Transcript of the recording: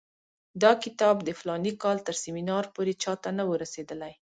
دا کتاب د فلاني کال تر سیمینار پورې چا ته نه وو رسېدلی.